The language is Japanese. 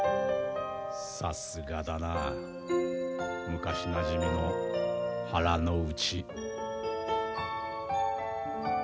さすがだな昔なじみの腹の内。